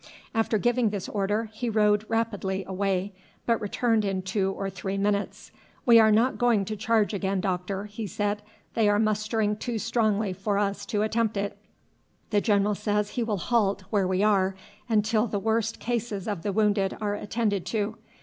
After giving this order he rode rapidly away, but returned in two or three minutes. "We are not going to charge again, doctor," he said; "they are mustering too strongly for us to attempt it. The general says he will halt where we are until the worst cases of the wounded are attended to.